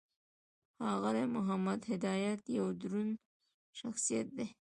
ښاغلی محمد هدایت یو دروند شخصیت دی.